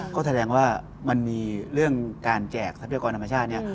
ก็แสดงว่ามันมีเรื่องการแจกทรัพยากรธรรมชาติเนี่ย